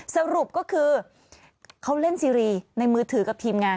สรุปก็คือเขาเล่นซีรีส์ในมือถือกับทีมงาน